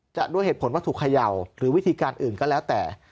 ด้วยเหตุผลวัตถุเขย่าหรือวิธีการอื่นก็แล้วแต่